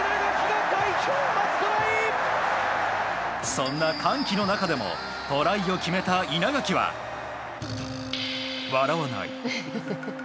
そんな歓喜の中でもトライを決めた稲垣は笑わない。